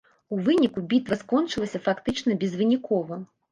У выніку бітва скончылася фактычна безвынікова.